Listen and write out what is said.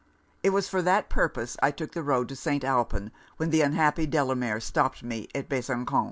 It was for that purpose I took the road to St. Alpin, when the unhappy Delamere stopped me at Besançon.